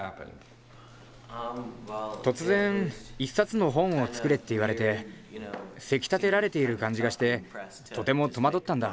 突然１冊の本を作れって言われてせきたてられている感じがしてとてもとまどったんだ。